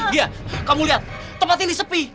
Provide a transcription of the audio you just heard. dia kamu lihat tempat ini sepi